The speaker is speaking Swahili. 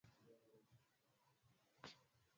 Hali yake imebadilika.